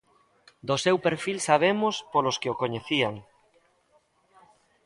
Do seu perfil sabemos polos que o coñecían.